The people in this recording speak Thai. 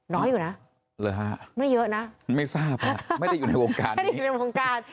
น้อยอยู่นะไม่เยอะนะไม่ทราบฮะไม่ได้อยู่ในวงการไม่ได้อยู่ในวงการ